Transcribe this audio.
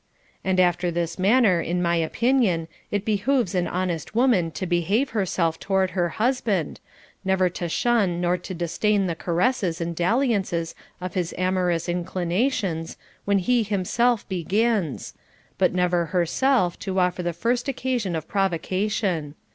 And after this manner, in my opinion, it behooves an honest woman to behave herself toward her husband, never to shun nor to disdain the caresses and dalliances of his amorous inclinations, when he himself begins ; but never herself to offer the first occasion of provocation.